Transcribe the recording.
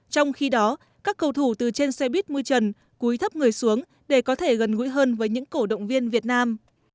trong khi đó các cầu thủ từ trên xe buýt mui trần cúi thấp người xuống để có thể gần gũi hơn với những cổ động viên việt nam